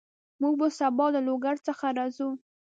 موږ به سبا له لوګر څخه راځو